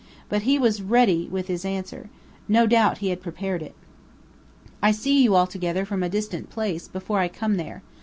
But he was ready with his answer. No doubt he had prepared it. "I see you all together, from a distant place, before I come there.